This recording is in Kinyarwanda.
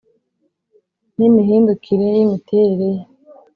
N imihindukire y imiterere ye